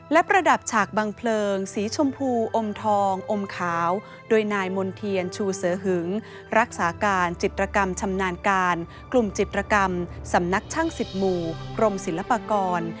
และประดับฉากบังเพลิงสีชมพูอมทองอมขาวโดยนายมณ์เทียนชูเสือหึงรักษาการจิตรกรรมชำนาญการกลุ่มจิตรกรรมสำนักช่างสิบหมู่กรมศิลปากร